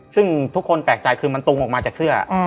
ซึ่งทุกคนแปลกใจคือมันตุงออกมาจากเสื้อ